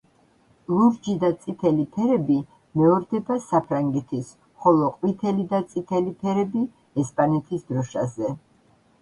ლურჯი და წითელი ფერები მეორდება საფრანგეთის, ხოლო ყვითელი და წითელი ფერები ესპანეთის დროშაზე.